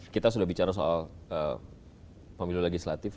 kita sudah bicara soal pemilu legislatif